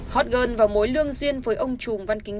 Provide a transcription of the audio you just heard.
họt gơn vào mối lương duyên với ông trùng văn kính